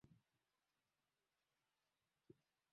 kaskazini ita itachukuliaje swala hili